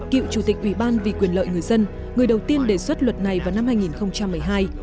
cựu chủ tịch ủy ban vì quyền lợi người dân người đầu tiên đề xuất luật này vào năm hai nghìn một mươi hai